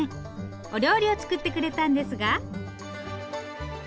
お料理を作ってくれたんですが。